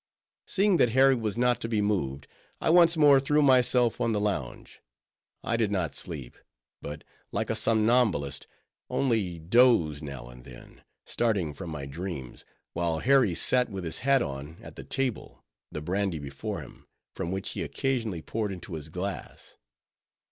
Seeing that Harry was not to be moved, I once more threw myself on the lounge. I did not sleep; but, like a somnambulist, only dozed now and then; starting from my dreams; while Harry sat, with his hat on, at the table; the brandy before him; from which he occasionally poured into his glass.